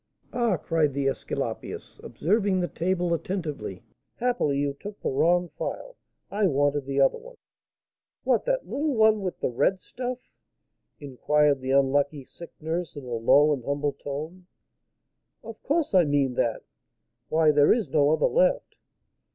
"Ah!" cried the Æsculapius, observing the table attentively, "happily you took the wrong phial, I wanted the other one." "What, that little one with the red stuff?" inquired the unlucky sick nurse, in a low and humble tone. "Of course I mean that; why, there is no other left."